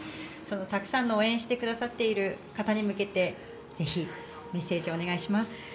たくさんの応援してくださっている方に向けてぜひメッセージをお願いします。